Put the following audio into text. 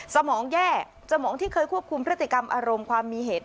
สมองแย่สมองที่เคยควบคุมพฤติกรรมอารมณ์ความมีเหตุ